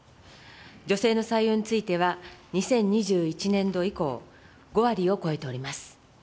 女性の採用については、２０２１年度以降、５割を超えております。